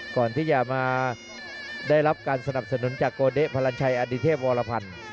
ก่อนที่จะมาได้รับการสนับสนุนจากโกเด๊พลันชัยอดิเทพวรพันธ์